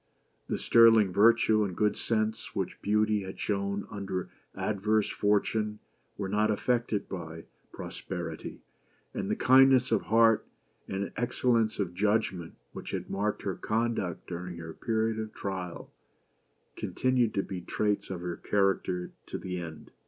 The sterling virtue and good sense which Beauty had shown under adverse fortune were not affected by pros perity ; and the kindness of heart, and excellence of judgment, which had marked her conduct during her period of trial, continued to be traits of her character to the end.